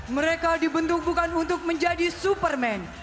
mereka dibentuk bukan untuk menjadi superman